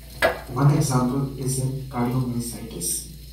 One example is in cardiomyocytes.